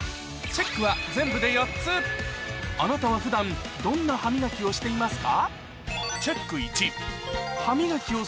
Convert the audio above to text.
あなたは普段どんな歯磨きをしていますか？